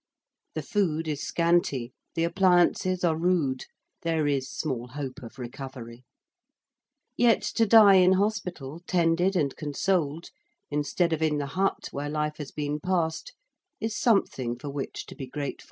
The food is scanty: the appliances are rude: there is small hope of recovery: yet to die in hospital tended and consoled instead of in the hut where life has been passed is something for which to be grateful.